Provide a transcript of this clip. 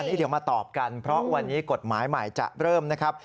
นี่เดี๋ยวมาตอบกันเพราะวันนี้กฎหมายใหม่จะเริ่มนะครับ